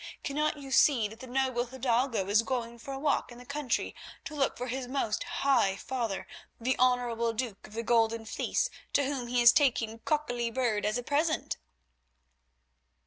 Cannot you see that the noble hidalgo is going for a walk in the country to look for his most high father, the honourable duke of the Golden Fleece, to whom he is taking a cockolly bird as a present?"